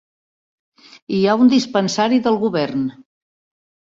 Hi ha un dispensari del govern.